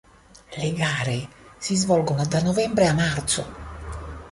Le gare si svolgono da novembre a marzo.